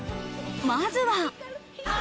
まずは。